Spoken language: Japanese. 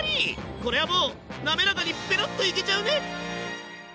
これはもうなめらかにぺろっといけちゃうね。